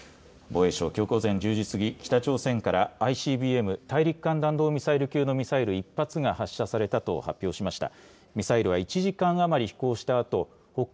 きょう午前１０時過ぎ、北朝鮮からＩＣＢＭ・大陸間弾道ミサイル級のミサイル１発が発射されたと発表しました。